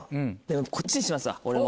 こっちにしますわ俺も。